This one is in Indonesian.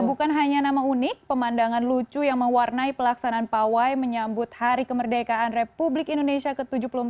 bukan hanya nama unik pemandangan lucu yang mewarnai pelaksanaan pawai menyambut hari kemerdekaan republik indonesia ke tujuh puluh empat